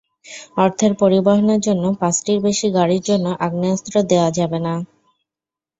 অর্থের পরিবহনের জন্য পাঁচটির বেশি গাড়ির জন্য আগ্নেয়াস্ত্র দেওয়া যাবে না।